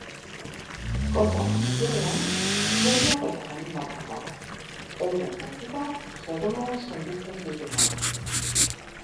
Kontrako muturrean, suediar eta danimarkarrak, eurek baitira seguruen sentitzen direnak.